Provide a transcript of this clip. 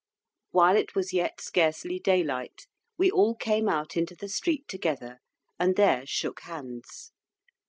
While it was yet scarcely daylight, we all came out into the street together, and there shook hands.